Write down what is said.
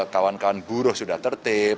kawan kawan buruh sudah tertib